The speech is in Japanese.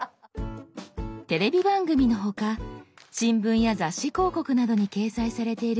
テレビ番組の他新聞や雑誌広告などに掲載されている